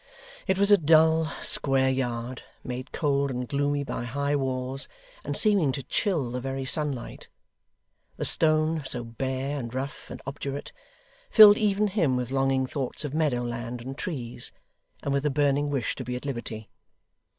It was a dull, square yard, made cold and gloomy by high walls, and seeming to chill the very sunlight. The stone, so bare, and rough, and obdurate, filled even him with longing thoughts of meadow land and trees; and with a burning wish to be at liberty.